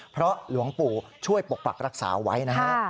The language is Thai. เพราะหลวงปู่ช่วยปกปักรักษาไว้นะฮะ